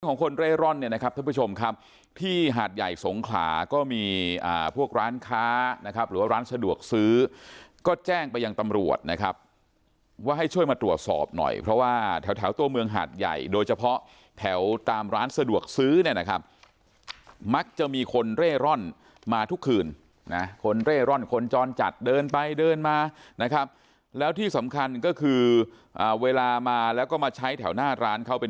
คนเร่ร่อนเนี่ยนะครับท่านผู้ชมครับที่หาดใหญ่สงขลาก็มีพวกร้านค้านะครับหรือว่าร้านสะดวกซื้อก็แจ้งไปยังตำรวจนะครับว่าให้ช่วยมาตรวจสอบหน่อยเพราะว่าแถวตัวเมืองหาดใหญ่โดยเฉพาะแถวตามร้านสะดวกซื้อเนี่ยนะครับมักจะมีคนเร่ร่อนมาทุกคืนนะคนเร่ร่อนคนจรจัดเดินไปเดินมานะครับแล้วที่สำคัญก็คือเวลามาแล้วก็มาใช้แถวหน้าร้านเขาเป็น